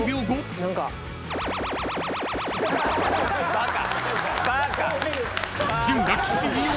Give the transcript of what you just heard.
バカ。